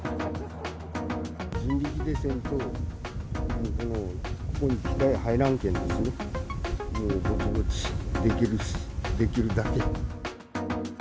人力でせんと、ここに機械が入らんけんですね、もうぼちぼちできるだけ。